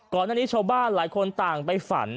ก่อนหน้านี้ชาวบ้านหลายคนต่างไปฝัน